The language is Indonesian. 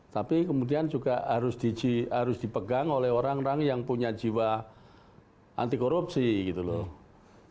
tapi kemudian juga harus dipegang oleh orang orang yang punya jiwa anti korupsi gitu loh